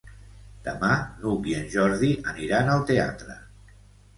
Demà n'Hug i en Jordi aniran al teatre.